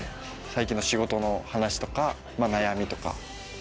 最近の仕事の話とか悩みとか。